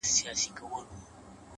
زړه یوسې او پټ یې په دسمال کي کړې بدل؛